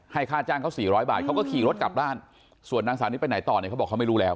ค่าจ้างเขา๔๐๐บาทเขาก็ขี่รถกลับบ้านส่วนนางสาวนิดไปไหนต่อเนี่ยเขาบอกเขาไม่รู้แล้ว